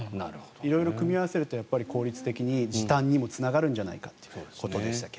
色々組み合わせると効率的に時短にもつながるんじゃないかと。